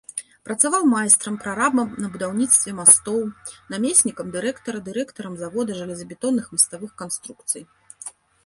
Працаваў майстрам, прарабам на будаўніцтве мастоў, намеснікам дырэктара, дырэктарам завода жалезабетонных маставых канструкцый.